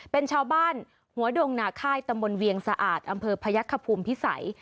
เป็นชาวบ้านหัวดงนาค่ายตำบลเวียงสะอาดอำเภอพยักษภูมิพิสัย